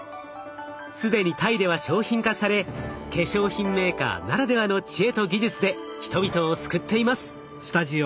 既にタイでは商品化され化粧品メーカーならではの知恵と技術で人々を救っています。